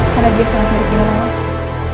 karena dia sangat mirip dengan angsa